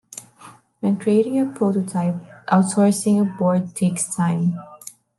When creating a prototype, outsourcing a board takes time.